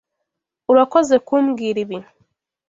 Urakoze kumbwira ibi.